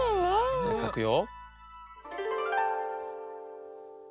じゃあかくよ。